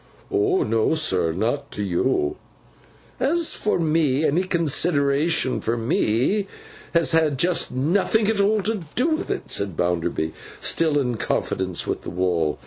'O no, sir. Not to yo.' 'As for me, any consideration for me has had just nothing at all to do with it,' said Bounderby, still in confidence with the wall.